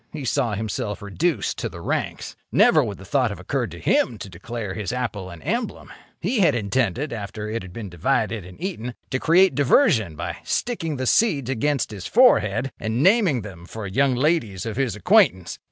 He saw himself reduced to the ranks. Never would the thought have occurred to him to declare his apple an emblem. He had intended, after it had been divided and eaten, to create diversion by sticking the seeds against his forehead and naming them for young ladies of his acquaintance.